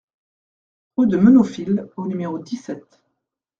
Rue de Meneaufil au numéro dix-sept